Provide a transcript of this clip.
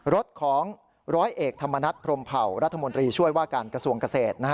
รถของร้อยเอกธรรมนัฐพรมเผารัฐมนตรีช่วยว่าการกระทรวงเกษตร